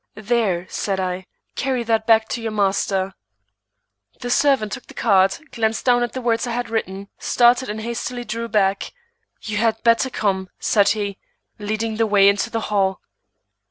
"There," said I, "carry that back to your master." The servant took the card, glanced down at the words I had written, started and hastily drew back. "You had better come," said he, leading the way into the hall.